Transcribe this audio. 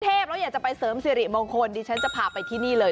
แล้วอยากจะไปเสริมสิริมงคลดิฉันจะพาไปที่นี่เลย